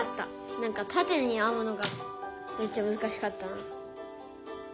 何かたてにあむのがめっちゃむずかしかったな。